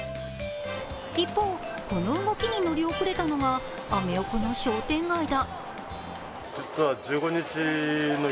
一方、この動きに乗り遅れたのがアメ横の商店街だ。